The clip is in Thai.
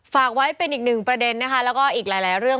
ฝากไว้เป็นอีกหนึ่งประเด็นนะคะแล้วก็อีกหลายเรื่อง